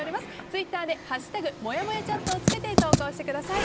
ツイッターで「＃もやもやチャット」をつけて投稿してください。